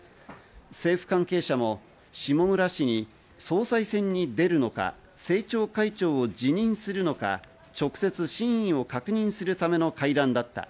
政府関係者も下村氏に総裁選に出るのか、政調会長を辞任するのか直接、真意を確認するための会談だった。